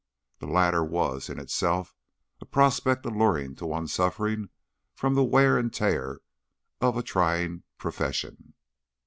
The latter was, in itself, a prospect alluring to one suffering from the wear and tear of a trying profession.